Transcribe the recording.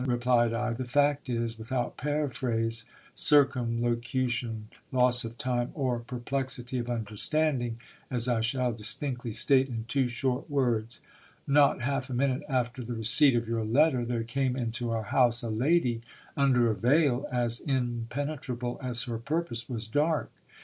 replied I, the fact is, without paraphrase, cir cumlocution, loss of time, or perplexity of understanding, as I shall distinctly state in two short words — Xot half a minute after the receipt of your letter, there came into our house a lady, under a veil as impenetrable as her purpose was dark.